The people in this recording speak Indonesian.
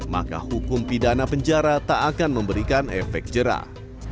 maka hukum pidana penjara tak akan memberikan efek jerah